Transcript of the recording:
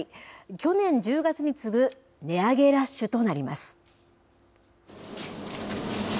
去年１０月に次ぐ値上げラッシュとなります。